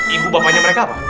ibu bapanya mereka apa